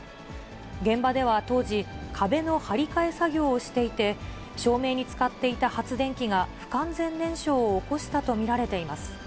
現場では当時、壁の張り替え作業をしていて、照明に使っていた発電機が不完全燃焼を起こしたと見られています。